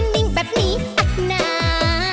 นิ่งแบบนี้หักหนา